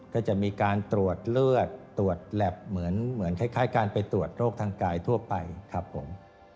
ก็จะมีการตรวจเลือดตรวจแหลบเหมือนคล้ายการไปตรวจโรคทางกายทั่วไปครับผม